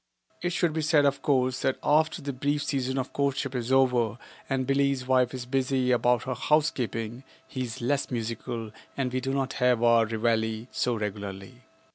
It should be said, of course, that after the brief season of courtship is over and Billie's wife is busy about her housekeeping, he is less musical and we do not have our reveille so regularly.